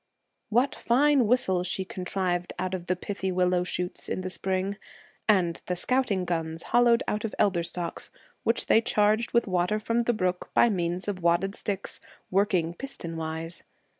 What fine whistles she contrived out of the pithy willow shoots in the spring! And the scouting guns hollowed out of elder stalks, which they charged with water from the brook by means of wadded sticks, working piston wise!